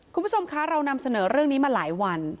คุณผู้ชมคะเรานำเสนอเรื่องนี้มาหลายวัน